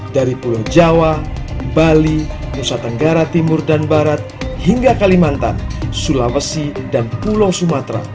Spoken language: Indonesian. dari pulau jawa bali nusa tenggara timur dan barat hingga kalimantan sulawesi dan pulau sumatera